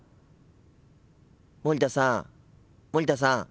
森田さん森田さん。